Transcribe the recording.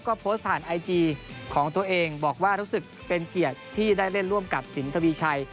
ก็โพสต์ผ่านไอจีของตัวเองบอกว่ารู้สึกเป็นเกียรติที่ได้เล่นร่วมกับสินทวีชัย